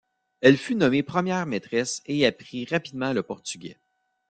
Elle fut nommée première maîtresse et apprit rapidement le portugais.